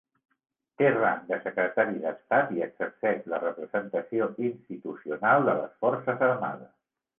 Té rang de secretari d'estat i exerceix la representació institucional de les Forces Armades.